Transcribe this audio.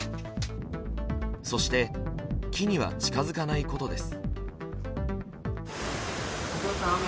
そして木には近づかないことです。